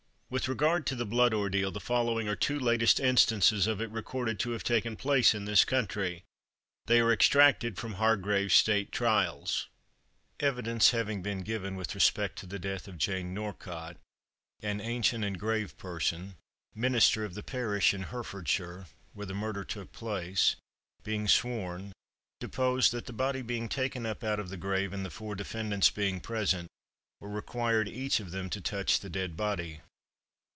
With regard to the blood ordeal, the following are the two latest instances of it recorded to have taken place in this country; they are extracted from "Hargrave's State Trials:"— "Evidence having been given with respect to the death of Jane Norkott, an ancient and grave person, minister of the parish in Hertfordshire where the murder took place, being sworn, deposed, that the body being taken up out of the grave, and the four defendants being present, were required each of them, to touch the dead body.